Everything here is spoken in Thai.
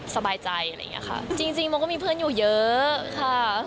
สบายใจจริงมองก็มีเพื่อนอยู่เยอะค่ะ